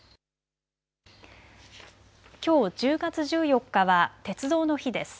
きょう１０月１４日は鉄道の日です。